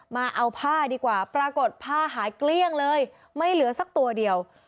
มาเอาผ้าดีกว่าปรากฏผ้าหายเกลี้ยงเลยไม่เหลือสักตัวเดียว